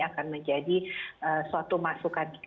akan menjadi suatu masukan